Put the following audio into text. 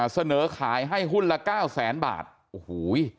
เสนอขายให้หุ้นละเก้าแสนบาทโอ้โห